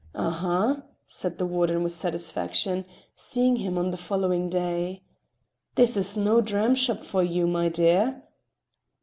"Aha!" said the warden with satisfaction, seeing him on the following day. "This is no dramshop for you, my dear!"